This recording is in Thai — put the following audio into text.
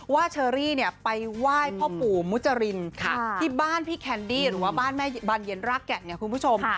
เชอรี่เนี่ยไปไหว้พ่อปู่มุจรินที่บ้านพี่แคนดี้หรือว่าบ้านแม่บานเย็นรากแก่นเนี่ยคุณผู้ชม